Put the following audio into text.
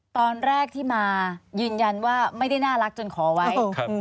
ตอนแรกที่มายืนยันว่าไม่ได้น่ารักจนขอไว้